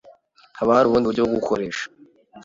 haba hari ubundi buryo bwo gukoresha